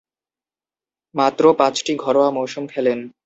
মাত্র পাঁচটি ঘরোয়া মৌসুম খেলেন।